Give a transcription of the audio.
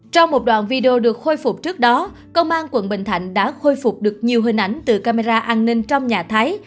trong một đoạn video được khôi phục trước đó công an quận bình thạnh đã khôi phục được nhiều hình ảnh từ camera an ninh trong nhà thái